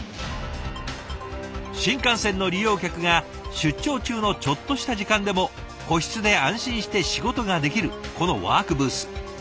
新幹線の利用客が出張中のちょっとした時間でも個室で安心して仕事ができるこのワークブース。